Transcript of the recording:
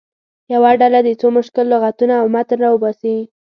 یوه ډله دې څو مشکل لغتونه له متن راوباسي.